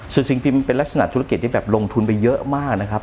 ส่วนสิ่งพิมพ์เป็นลักษณะธุรกิจที่แบบลงทุนไปเยอะมากนะครับ